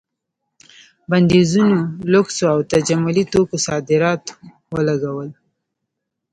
بندیزونو لوکسو او تجملي توکو صادراتو ولګول.